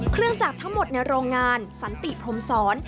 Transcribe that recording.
เครื่องจักรทั้งหมดในโรงงานสันติพรมศร